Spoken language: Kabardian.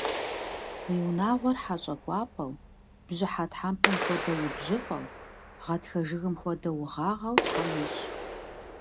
Уи унагъуэр хьэщӏэ кӏуапӏэу, бжьыхьэ тхьэмпэм хуэдэу убжьыфӏэу, гъатхэ жыгым хуэдэу угъагъэу Тхьэм уищӏ!